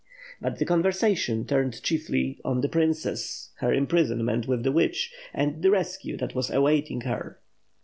But the conversation turned chiefly on the princess, her imprison ment with the witch and the rescue that was awaiting her.